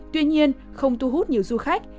tuy nhiên không thu hút nhiều du khách